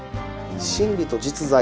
「心理」と「実在」